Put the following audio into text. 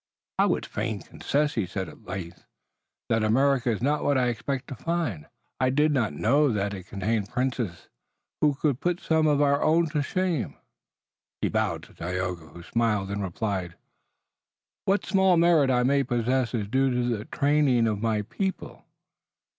"I would fain confess," he said at length, "that America is not what I expected to find. I did not know that it contained princes who could put some of our own to shame." He bowed to Tayoga, who smiled and replied: "What small merit I may possess is due to the training of my people."